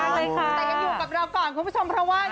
แต่ยังอยู่กับเราก่อนคุณผู้ชมเพราะว่า